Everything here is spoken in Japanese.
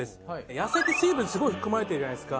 野菜ってすごい水分含まれてるじゃないですか